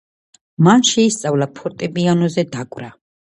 მან შეისწავლა ფორტეპიანოზე დაკვრა.